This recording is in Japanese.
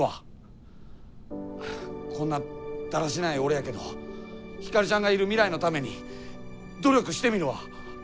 こんなだらしない俺やけどヒカルちゃんがいる未来のために努力してみるわ！